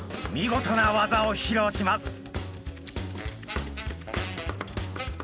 見事な技を披露します。